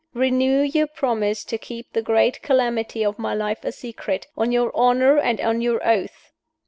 Renew your promise to keep the great calamity of my life a secret, on your honor and on your oath.